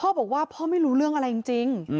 พ่อบอกว่าพ่อไม่รู้เรื่องอะไรจริง